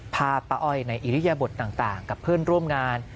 ป้าอ้อยในอิริยบทต่างกับเพื่อนร่วมงาน